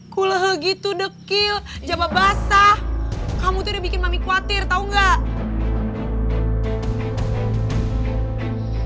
kulit gitu dek route jabah basah kamu di bikin mami khawatir tau enggak cemi ceritanya